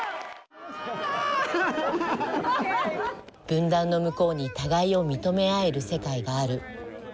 分断の向こうに互いを認め合える世界がある。